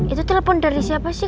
itu telepon dari siapa sih